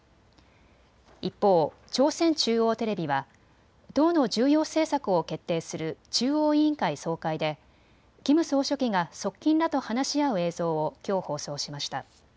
一方、朝鮮中央テレビは党の重要政策を決定する中央委員会総会でキム総書記が側近らと話し合う映像をきょう放送しました。